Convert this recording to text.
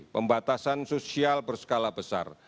pembatasan sosial berskala besar